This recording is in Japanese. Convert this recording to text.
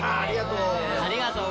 ありがとう！